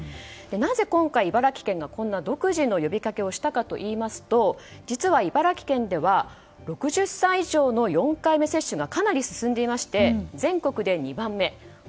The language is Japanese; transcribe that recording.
なぜ今回、茨城県がこんな独自の呼びかけをしたかといいますと実は茨城県では６０歳以上の４回目接種がかなり進んでいまして全国で２番目。